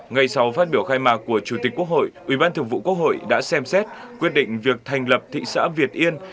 ngày sáu phát biểu khai mạc của chủ tịch quốc hội ủy ban thường vụ quốc hội đã xem xét quyết định việc thành lập thị xã việt yên